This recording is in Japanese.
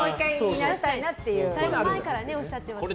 だいぶ前からおっしゃってますからね。